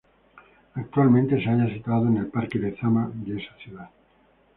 Actualmente se halla situado en el Parque Lezama de esa ciudad.